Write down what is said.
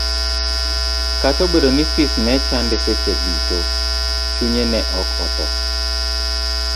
Kata obedo ni fis ne chande seche duto, chunye ne ok otho.